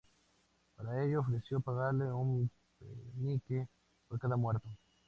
Para ello ofreció pagarle un penique por cada muerto.